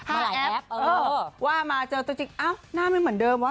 หลายแอปว่ามาเจอตัวจริงอ้าวหน้าไม่เหมือนเดิมวะ